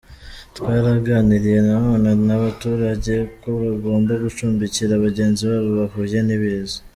Twaraganiriye na none n’abaturage ko bagomba gucumbikira bagenzi babo bahuye n’ibiza.